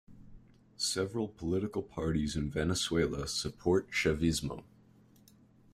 Several political parties in Venezuela support "chavismo".